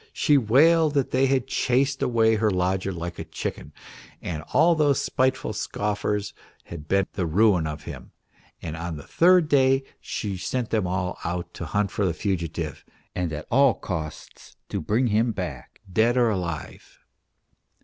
She wailed that they had chased away her lodger like a chicken, and all those spiteful scoffers had been the ruin of him ; and on the third day she sent them all out to hunt for the fugitive and at all costs to bring him back, dead or alive.